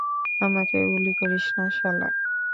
আমাকে গুলি করিস, শালা?